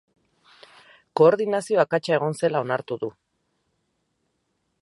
Koordinazio akatsa egon zela onartu du.